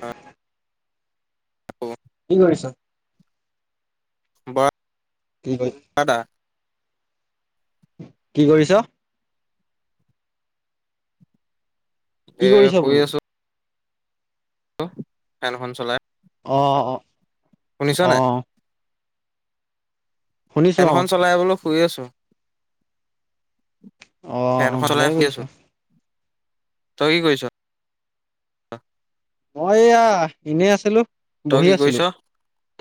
অ। কি কৰিছা? বাৰ কি কৈ? কি কৰিছ? কি এ কৰিছ শুই বোলো? আছো। লো ফেনখন চলাই। অ অ। শুনিছ নাই? অ', শুনিছো ফেনখন অ', চলাইলৈ শুই আছো অহ ফেনখন ভালে চলাই শুই কৈছ। আছো তই কি কৰিছ। মই এয়া এনেই আছিলো তই বহি কি কৰিছ আছিলো।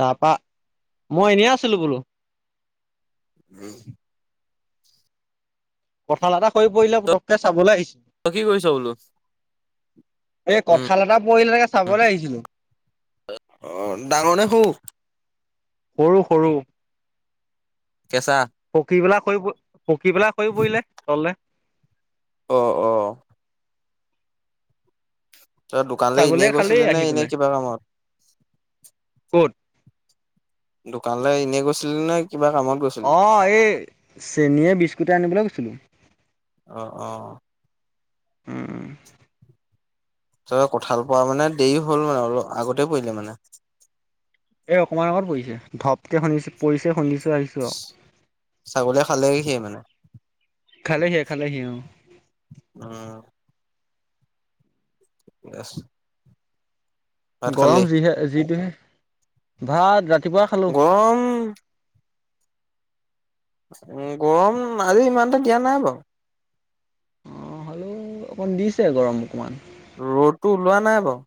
তাৰপা মই এনেই আছিলো বোলো। [unintelligible] কথাল এটা হৈ পৰিলে পুতককে চাবলৈ আহিছিলো। তই কি কৰিছ বোলো। এই কথাল এটা পৰিলে। উম চাবলৈ আহিছিলো। অ ডাল। সৰু সৰু। কেছা। পকী পেলা শ পকি পেলাই হৈ পৰিলে তলে। অহ অহ। তই দোকান যে এনেই ছাগলীয়ে খালেই গৈছিলি নে আহি এনে পেলাই কিবা কামত। ক'ত দোকানলৈ এনেই গৈছিলি নে। কিবা কামত গৈছিলি অহ এই চেনীয়ে বিস্কুট আনিবলৈ গৈছিলো। অ অ। উম। তাই কঁঠাল পোৱা মানে দেৰি হ'ল মানে অলপ আগতে পৰিলে মানে। এ অকমান আগত পৰিছে ধপক শুনিছে পৰিছে শুনিছে। ছাগলীয়ে খালে সেই মানে। খালেহিয়ে খালেহি অ। অ। ইএছ। গৰম যিহে যিটোহে ভাত ৰা। গৰম। উম গৰম আজি ইমানটা দিয়া নাই বাৰু। অ হ'লেও অকণ দিছে গৰম অকমান। ৰ'দটো ওলোৱা নাই বাও।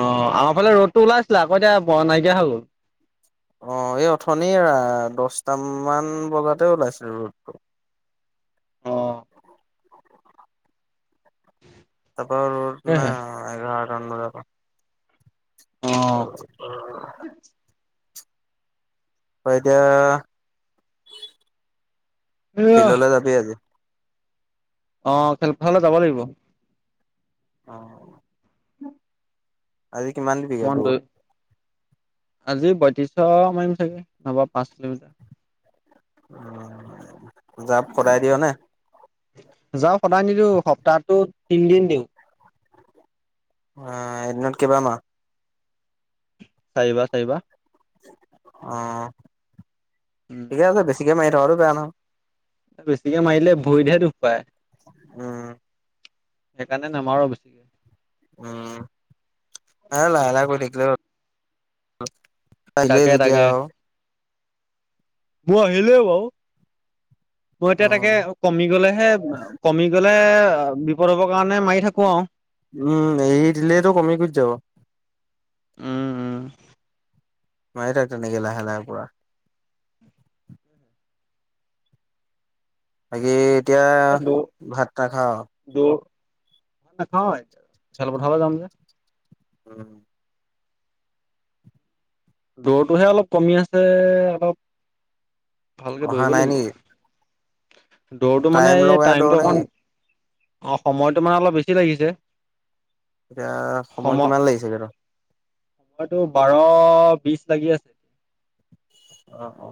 অ আমাৰ ফালে ৰ'দতটো ওলাই আছিলে আকৌ এতিয়া ব নাইকিয়া হৈ গল। অ এই অথনিৰ দহটামান বজাতে ওলাইছিলো ৰদটো। [unintelligible] অ। তাৰাপা ৰত ন তাকেহে এঘাৰটা মান বজাৰ পৰা। অ। অ এতিয়া এয়া ফিল্ডলৈ যাবি আজি। অ খেলপথালে যাব লাগিব। অ। ন। আজ কি মান পিকা দ। [unintelligible] আজি বয়ত্ৰিশ মাৰিম চাগে নবা পাঁচ কিলমিটাৰ। উ জাঁপ সদায় দিয় নে? যাওঁ সদায় নিদিওঁ সপ্তাহটো তিনদিন দিওঁ। অ' এদিনত কেইবাৰ মাৰা? চাৰিবা-চাৰিবা। উম অ'ঠিকে আছে বেছিকে মাৰি থকা বেয়া নহ। বেছিকে মাৰিলে ভৰিতহে দুখ পায়। উম। সেইকাৰণে নামাৰো বেছিকে। উম' আহ লাহে লাহে কৰি থাকিলে আহিলে তাকে যেতিয়া তাকে আও। মোৰ আহিলেই বাওঁ। মই অ এতিয়া তাকে কমি গলেহে কমি গলে বিপদ হব। কাৰণে মাৰি থাকো আৰু। উম এই দিলেতো কমি যাব। মাৰি থাক তেনেকে লাহে লাহে পোৰা। বাকী এতিয়া ভাত নাখাও? নাখাওঁ খেল পথাৰলে জাম যে। উম। দৌৰটোহে অলপ কমি আছে অলপ। ভালকে অহা দৌৰিব নাই নেকি? লাগিব। দৌৰটো মানে টাইম এই লগাই দৌৰ টাইমটো নেকি? অকমান অ' সময়তো মানে অলপ বেছি লাগিছে। এতিয়া সময় কিমান লাগিছেগে তোৰ? সময়তটো বাৰ বিশ লাগি আছে। আহ অ।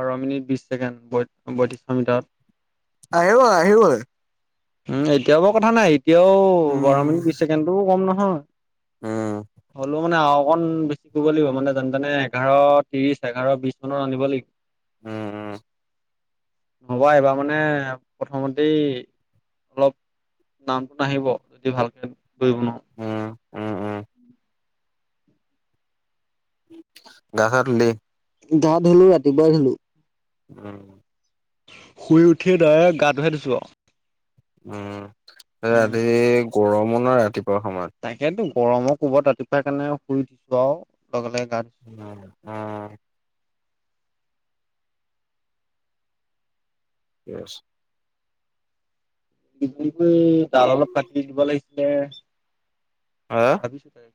বাৰ মিনিট, বিশ ছেকেণ্ড বত্ৰিশ মিটাৰ। আহিব আহিবই। উম, এতিয়াও বৰ কথা নাই। এতিয়াও বাৰ উম, মিনিট বিশ ছেকেণ্ডটোও কম নহয়। উম, হ'লেও মানে, অকণ বেছি কৰিব লাগিব। মানে যেনে তেনে এঘাৰ ত্ৰিশ এঘাৰ বিশ মানত আনিব লাগিব। উম, উম। নহবা এইবাৰ মানে প্ৰথমতেই অলপ নামটো নাহিব, যদি ভালকে কৰিব নোৱা উম, উম, উম। গা ছা ধুলি? গা ধলো ৰাতিপুৱাই ধলো। উম। শুই উঠি ডাইৰেক্ট গাতোহে ধুইছোঁ আও। উম' আজি গৰমো ন ৰাতিপুৱা সময়ত। তাকেতো গৰমৰ কবাত ৰাতিপুৱাই কেনে শুই দিছো আও। উম, উম। ঠিকেই আছে। [unintelligible] জাল অলপ কাটি দিব লাগিছিলে। হা? ভাবিছো তাকে।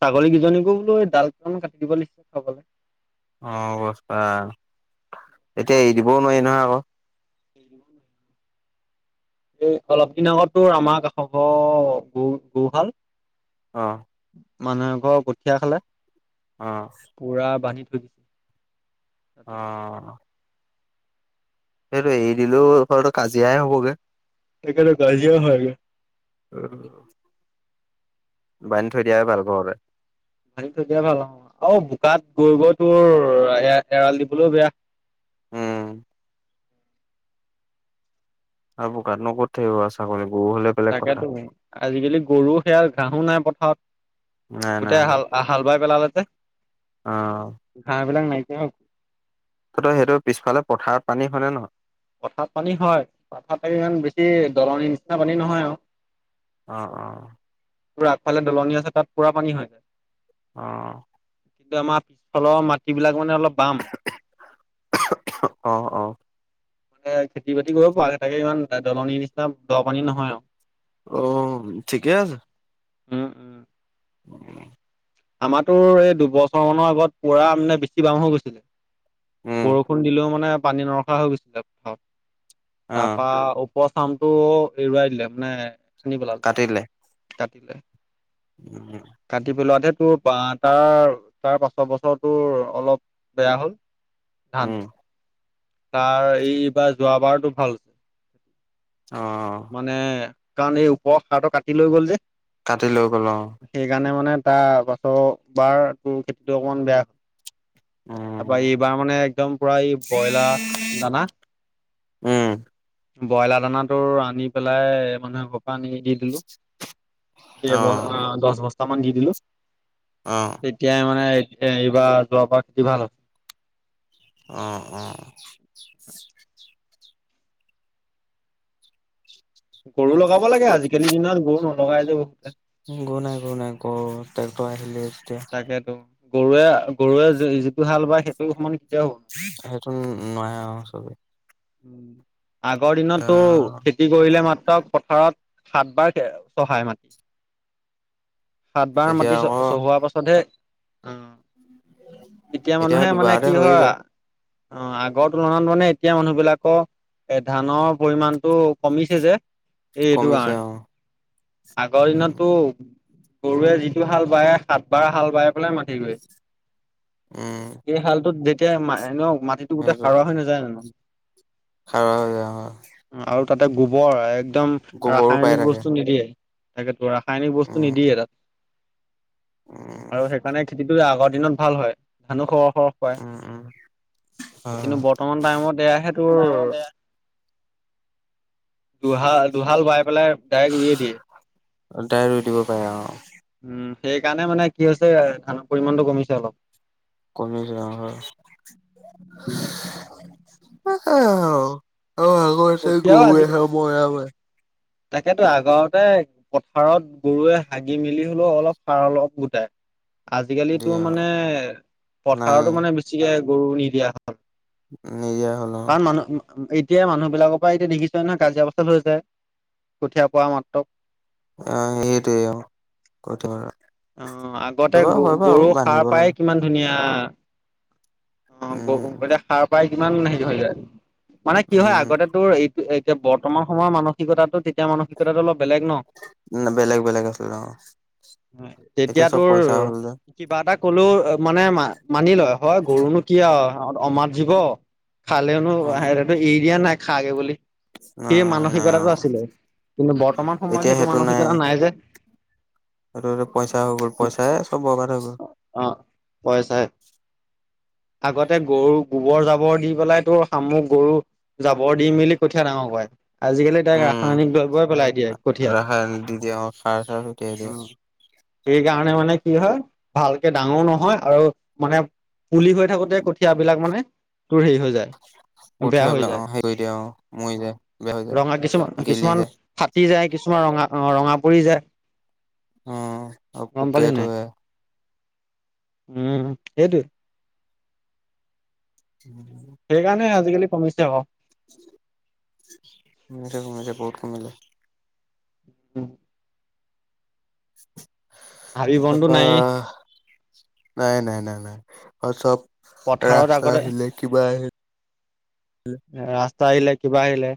ছাগলী কেইজনীকো বোলো ডাল কান কাটি দিব লাগিচিলে খাবলে। অ' অৱস্থা, এতিয়া এৰি দিবও নোৱাৰি নহয় আক। স ন [unintelligible] এই অলপ দিন আগতো আমাৰ কাষ গৰু গৰুহাল অ'। মানুহে এঘৰ কঠীয়া খালে অ', পুৰা বান্ধি থৈ দিছিল অ। সেইটো এৰি দিলোও হয়তটো কাজিয়াই হবগে। তকেটো কাজিয়া হয়গে। উমম বান্ধী থৈ দিয়া ভাল [unintelligible] বান্ধি থৈ দিয়াই ভাল হ আৰু বোকাত গৈ গৈ তোৰ এ এৰাল দিবলৈও বেয়া। উম, আৰু বোকাত নো কত থাকিব আ চাগলি তাকেতো আজিকালি গৰু সেয়া ঘাঁহো নাই নাই পথাৰত। নাই গোটেই নাই হাল হাল বাই পেলালে অ ঘাঁহ বিলাক নাইকিয়া হ ত সেইটো পিছফালে পথাৰত পানী হয়নে নহয়? পথাত পানী হয়। পথাত প ইমান বেছি দলনিৰ নিচিনা পানী নহয় আৰু অ' অ' তোৰ আগফালে দলনি আছে তাত পুৰা পানী হৈ যায়। আহ কিন্তু আমাৰ পিছফলৰ মাটিবিলাক মানে অলপ বাম। আহ আহ মানে খেতি বাতি কৰিব পৰাৈ তাকে ইমান দলনিৰ নিচিনা দৰ পানী নহয় আৰু অ' ঠিকেই আছে উম উম উম আমাৰতো এই দুবছৰ মানৰ আগত পৰা মানে বেছি বাম হৈ গৈছিলে উম বৰষুণ দিলেও মানে পানী নৰখা হৈ গৈছিলে অ তাৰপা উপও চামটো এৰুৱাই দিলে মানে সানি পেলালে কাটি দিলে কাটিলে উম কাটি পেলোৱাতেে তোৰ তাৰ তাৰ পাঁচ বছৰটো অলপ বেয়া হ'ল। উম। ধানটো। তাৰ এইবাৰ যোৱাবাৰতটো ভাল হৈছে। অ মানে কাৰণ এই ওপৰৰ সাৰটো কাটি লৈ গ'ল যে কাটি লৈ গল অ' সেইকাৰণে মানে তাৰ পাছ বাৰ তোৰ খেতিটো অকমান বেয়া হয়। তাৰপৰা উম এইবাৰ মানে একদম পুৰা এই ব্ৰইলাৰ দানা উম ব্ৰইলাৰ দানাটো আনি পেলাই মানুহে পানী দি দিলো অ এব দহ বস্তা মান দি দিলো অ তেতিয়াই মানে এইবাৰ যোৱাৰ পৰা খেতি ভাল অ' অ' গৰু লগাব লাগে। আজিকালি দিনত গৰু নলগাই যে বহুতে গৰু নাই গৰু নাই গৰু তক্টৰ আহিলে যেতিয়া তাকেতো গৰুৱে গৰুৱে যিটো হাল বায় সেইটো সমান কেতিয়াও হ'ব সেইটো নোৱাই আৰু চবেই আগৰ দিনতটো খেতি কৰিলে মাত্ৰ পথাৰত সাত বাৰ চহাই মাটি সাত বাৰ এতিয়া মাটি চ আকৌ চহোৱাৰ পাছতহে অ', এতিয়া মানুহে মানে দুবাৰতে কি হৈয়ে হয় যায় অ', আগৰ তুলনাত মানে এতিয়া মানুহ বিলাকক এ ধানৰ পৰিমাণটো কমিছে যে এই এইটো কমিছে কাৰণে অ আগৰ উম দিনো গৰুৱে যিটো হাল বায় সাত বাৰ হাল বায় ক'লে মাতিগৈ, উম এই শালটোত যেতিয়া মানুক মাটিতটো গোটেই সাৰুৱা নাযায় জানো? সাৰুৱা হয় যায় অহ। আৰু তাতে গোবৰ একদম পাই ৰাসায়নিক থাকে বস্তু নিদিয়ে, তাকে তো ৰাসায়নিক বস্তু উম নিদিয়ে তাত। উম আৰু সেইকাৰণে খেতিটো আগৰ দিনত ভাল হয়। ধানো খ খহ পই উম উম কিন্তু বৰ্তমান টাইমত এয়া সেইটোৰ ফাৰ্মত এয়া দুহাল দুহাল বোৱাই পেলাই ডাইৰেক্ট ৰুয়ে দিয়ে। দাৰেক ৰুই দিব পাৰে অহ। উম সেইকাৰণে মানে কি হৈছে ধানৰ পৰিমাণটো কমিছে অলপ। কমছে অহ হয়। কঠীয়াও আজি [unintelligible] তাকেতো আগৰতে পথাৰত গৰুৱে হাগি মেলি হলেও অলপ সাৰ অলপ গোটাই। আজিকালিতো দিয়ে অ মানে নাই পথাৰতো মানে বেছিকে গৰু নিদিয়া হয়। নিদিয়া হল অহ। এতিয় মানুহবিলাকৰ পৰা এতিয়া দেখিচা নহয় কাজিয়া পেচাল হৈ জাই কঠীয়া পোৱা মাত্ৰক। অ সেইটোৱে অ, পঠিওৱা হয়। অ আগতে গ বাৰু গৰু সাৰ বান্ধিব পাই লাগে কিমান ধুনীয়া। অ গ উম এতিয়া সাৰ পাই কিমান হেৰি হৈ যায়, মানে কি হয় উম আগতে তোৰ এইটো এতিয়া বৰ্তমান সময়ৰ মানসিকতটো তেতিয়া মানসিকতাটো অলপ বেলেগ ন ন বেলেগ বেলেগ আছিল অ। তেতিয়া এতিয়া চব তোৰ পইচা হ'ল যে কিবা এটা কলেও মানে ম মানি লয় হয়, গৰুনো কি আৰু অমাত জীৱ। খালেওনো অ হেহেতি এৰি দিয়া নাই খাগে বুলি। সেই নাই নাই অ মানসিকতাটো আছিলে, কিন্তু বৰ্তমান সময়ত এতিয়া সেইটো মানসিকতা নাই যে। আৰু পইচা হৈ গ'ল পইচাই চব বৰ্বাদ হৈ গল। অ পইচাই [inaudible] আগতে গৰু গোবৰ জাবৰ দি পেলাই তো শামুক গৰু জাবৰ দি মেলি কঠীয়া ডাঙৰ কয়ে। আজিকালি তাই উম ৰাসায়নিক দ্ৰব্যই পেলাই দিয়ে কঠিয়াত। ৰাসায়নিক দি দিয়ে অ', সাৰ চাৰ ছটিয়াই অ দিয়ে সেইকাৰণে মানে কি হয় ভালকে ডাঙৰ নহয় আৰু মানে পুলি হৈ থাকোঁতে কঠিয়াবিলাক মানে তোৰ হেৰি হৈ যায় বেয়া হৈ কঠিয়াবিলাক যায়, অ', হেৰি কৰি দিয়ে অ', মৰি অ যায় বেয়া হৈ যায় ৰঙা কিছুমান গেলি কিছুমান যায় ফাটি যায় কিছুমান ৰঙা অ ৰঙাপৰি জাই। অ অ পুকে ধয়ে। উম সেইটোয়ে। [inaudible] সেইকাৰণে আজিকালি কমিছে ক। কমিছে কমিছে বহুত কমিলে অ হাবি বনটো তাৰপা, নায়েই নাই নাই নাই নাই আৰু চওক পথাৰত ৰাস্তা আগতে আহিলে কিবা আহিল। ৰাস্তা আহিলে কিবা আহিলে।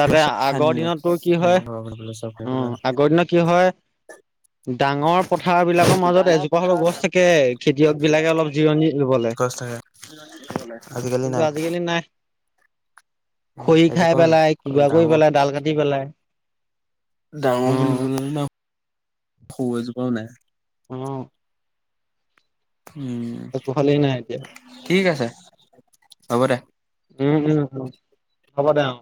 তাতে চব আগৰ খান্দিলে দিনতো কি উম, হয়, ঘৰ বনাবলে চব উ কৰিবলে আগৰ দিনত কি হয়। ডাঙৰ পথাৰ বিলাকৰ মাজত ডাঙৰ এজোপা হলেও পথাৰ গছ থাকে, খেতিয়ক বিলাকে অলপ জিৰণি লবলে। গছ থাকে আজিকালি কিন্তু নাই। আজিকালি নাই উম, খৰি খাই এজোপাও নাই পেলাই কিবা কৰি ডাঙৰ পেলাই, ডাল কাটি পেলাই। ডাঙৰ অ বুলিবলৈ ন সৰু এজোপাও নাই। অ উম একোফালেই নাই এতিয়া ঠিক আছে হ'ব দে। উম উম উ হ'ব দে অ।